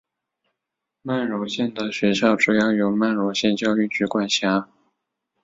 曼绒县的学校主要由曼绒县教育局管辖。